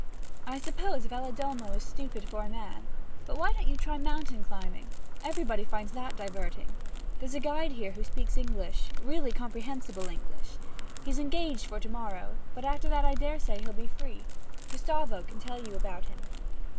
'I suppose Valedolmo is stupid for a man; but why don't you try mountain climbing? Everybody finds that diverting. There's a guide here who speaks English really comprehensible English. He's engaged for to morrow, but after that I dare say he'll be free. Gustavo can tell you about him.'